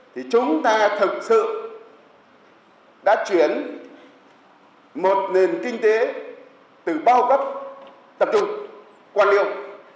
thì chúng ta thực sự đã chuyển một nền kinh tế từ bao cấp tập trung quan liêu